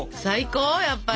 やっぱり。